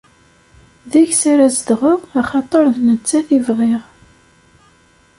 Deg-s ara zedɣeɣ axaṭer d nettat i bɣiɣ.